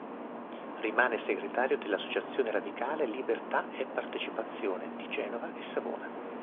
Rimane segretario dell'associazione radicale "Libertà è Partecipazione" di Genova e Savona.